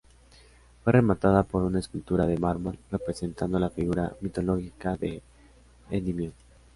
Fue rematada por una escultura de mármol representando la figura mitológica de Endimión.